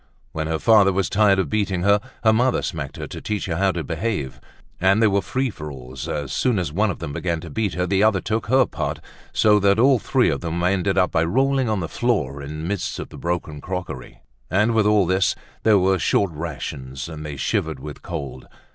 When her father was tired of beating her, her mother smacked her to teach her how to behave. And there were free for alls; as soon as one of them began to beat her, the other took her part, so that all three of them ended by rolling on the floor in the midst of the broken crockery. And with all this, there were short rations and they shivered with cold.